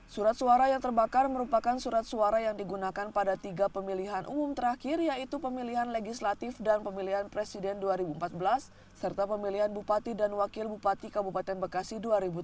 surat suara yang terbakar merupakan surat suara yang digunakan pada tiga pemilihan umum terakhir yaitu pemilihan legislatif dan pemilihan presiden dua ribu empat belas serta pemilihan bupati dan wakil bupati kabupaten bekasi dua ribu tujuh belas